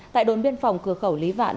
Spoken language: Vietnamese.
tại đồn biên phòng cửa khẩu lý vạn